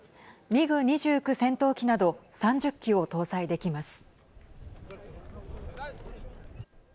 ミグ２９戦闘機など３０機を搭載できます。